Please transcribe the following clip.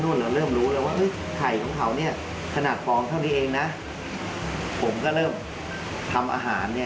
เราเริ่มรู้แล้วว่าไข่ของเขาเนี่ยขนาดฟองเท่านี้เองนะผมก็เริ่มทำอาหารเนี่ย